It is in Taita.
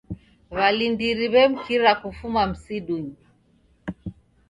W'alindiri w'emkira kufuma msidunyi.